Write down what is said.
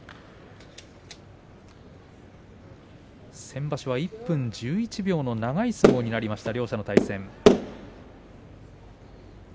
先場所は１分１１秒の長い相撲になりました。